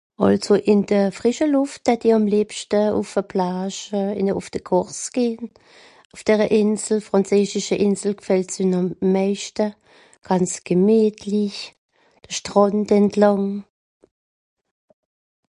Àlso ìn de frìsche Lùft dät i àm liebschte ùff e Plage euh ùff de Corse gehn, ùff däre Ìnsel, frànzeesische Ìnsel gfällt's mir àm mäischte, gànz gemietli, de Strànd entlàng